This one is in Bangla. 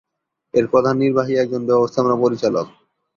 এর প্রধান নির্বাহী একজন ব্যবস্থাপনা পরিচালক।